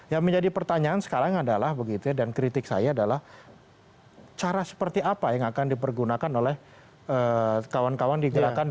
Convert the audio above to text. yang menjadi pertanyaan sekarang adalah begitu ya dan kritik saya adalah cara seperti apa yang akan dipergunakan oleh kawan kawan di gerakan dua ribu